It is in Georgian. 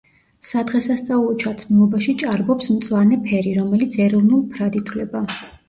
სადღესასწაულო ჩაცმულობაში ჭარბობს მწვანე ფერი, რომელიც ეროვნულ ფრად ითვლება.